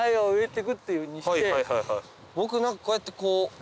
僕何かこうやってこう。